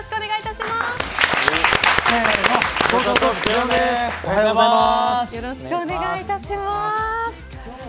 よろしくお願いしたします。